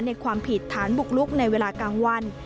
ในความผิดฐานบุกลุกในเวลากลางวัน